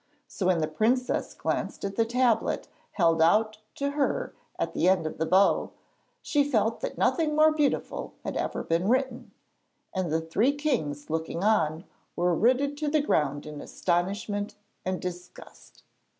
So when the princess glanced at the tablet held out to her at the end of the bow, she felt that nothing more beautiful had ever been written, and the three kings looking on were rooted to the ground in astonishment and disgust.